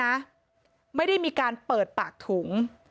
เพราะฉะนั้นส่วนศพเนี่ยนะไม่ได้มีการเปิดปากถุง